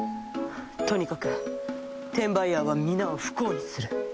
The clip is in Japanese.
とにかく転売ヤーは皆を不幸にする。